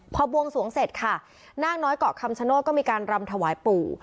พอบวงสวงเสร็จค่ะนาคน้อยเกาะคำชโนธก็มีการรำถวายปู่